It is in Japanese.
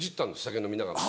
酒飲みながら。